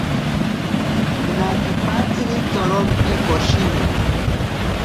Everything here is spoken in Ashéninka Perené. Nakipatziri tsorompi poshini.